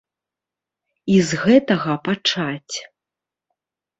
І з гэтага пачаць.